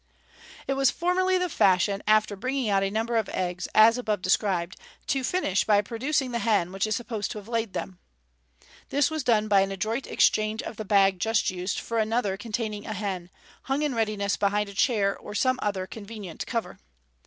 It was formerly the fashion, after bringing out a number of eggs as above described, to finish by producing the hen which is supposed to have laid them. This was done by an adroit exchange of the bag just used for another containing a hen, hung in readiness behind a chair, or some other convenient cover.